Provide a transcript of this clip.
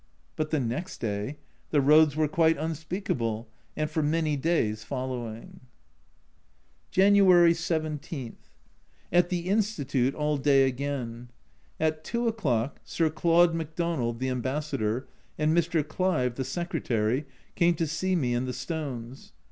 But the next day ! The roads were quite unspeakable, and for many days following. January 17. At the Institute all day again. At 2 o'clock Sir Claude Macdonald (the Ambassador) and Mr. Clive (the Secretary) came to see me and the stones.